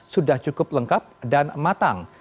sudah cukup lengkap dan matang